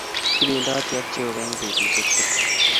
Kibendoti ak Jehova eng' petusyek tukul.